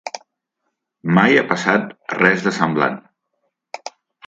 Mai ha passat res de semblant.